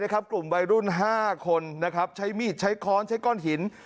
กลุ่มวัยรุ่น๕คนใช้มีดใช้ค้อนใช้ก้อนหิน